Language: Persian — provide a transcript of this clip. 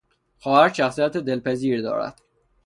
خواهرش شخصیت دلپذیری دارد.